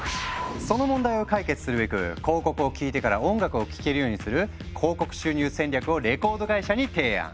その問題を解決するべく広告を聞いてから音楽を聴けるようにする「広告収入戦略」をレコード会社に提案。